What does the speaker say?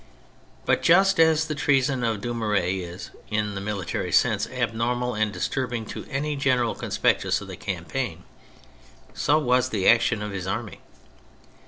But just as the treason of Dumouriez is, in the military sense, abnormal and disturbing to any general conspectus of the campaign, so was the action of his army.